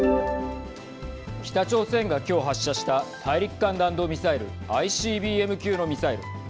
北朝鮮が今日、発射した大陸間弾道ミサイル＝ＩＣＢＭ級のミサイル。